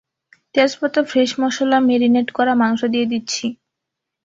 তেজপাতা, ফ্রেশ মসলা, ম্যারিনেট করা মাংস দিয়ে দিচ্ছি।